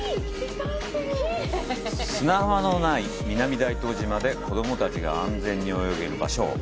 砂浜のない南大東島で子供たちが安全に泳げる場所を。